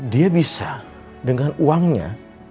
dia bisa dengan uangnya